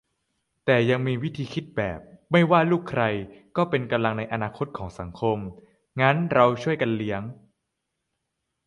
แต่ยังมีวิธีคิดแบบ ไม่ว่าลูกใคร ก็เป็นกำลังในอนาคตของสังคม งั้นเราช่วยกันเลี้ยง